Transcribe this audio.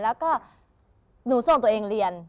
แล้วก็หนูส่งตัวเองเรียน